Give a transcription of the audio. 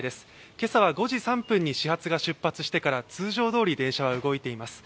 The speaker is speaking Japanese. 今朝は５時３分に始発が出発してから通常どおり電車は動いています。